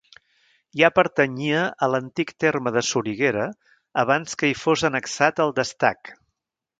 Ja pertanyia a l'antic terme de Soriguera abans que hi fos annexat el d'Estac.